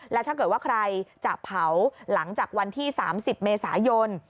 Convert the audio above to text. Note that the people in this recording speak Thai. และถ้าเกิดว่าใครจะเผาหลังจากวันที่๓๐เมษายน